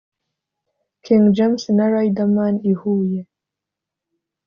King James na Riderman i Huye